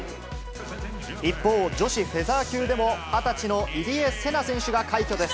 一方、女子フェザー級でも、２０歳の入江聖奈選手が快挙です。